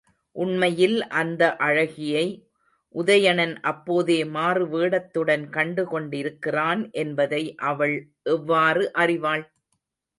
உண்மையில் அந்த அழகியை உதயணன் அப்போதே மாறுவேடத்துடன் கண்டு கொண்டிருக்கிறான் என்பதை அவள் எவ்வாறு அறிவாள்?